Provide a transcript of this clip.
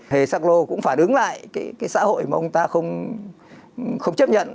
hề sắc lô cũng phản ứng lại cái xã hội mà ông ta không chấp nhận